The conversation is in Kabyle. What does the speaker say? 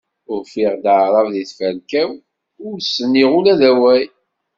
Ufiɣ-d Aɛrab di tferka-w, ur s-nniɣ ula d awal.